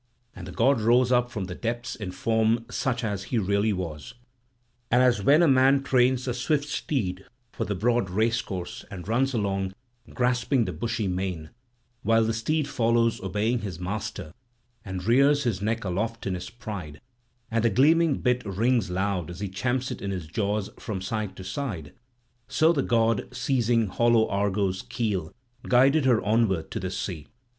And the god rose up from the depths in form such as he really was. And as when a man trains a swift steed for the broad race course, and runs along, grasping the bushy mane, while the steed follows obeying his master, and rears his neck aloft in his pride, and the gleaming bit rings loud as he champs it in his jaws from side to side; so the god, seizing hollow Argo's keel, guided her onward to the sea.